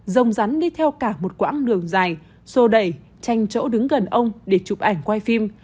rồng rắn đi theo cả một quãng đường dài sô đẩy tranh chỗ đứng gần ông để chụp ảnh quay phim